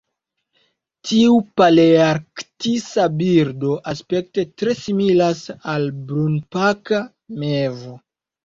Tiu palearktisa birdo aspekte tre similas al la brunkapa mevo.